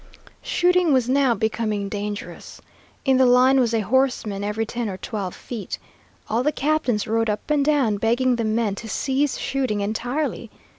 Shooting was now becoming dangerous. In the line was a horseman every ten or twelve feet. All the captains rode up and down begging the men to cease shooting entirely.